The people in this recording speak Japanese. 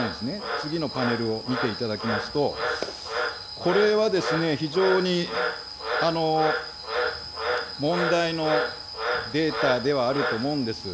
次のパネルを見ていただきますと、これは非常に問題のデータではあると思うんです。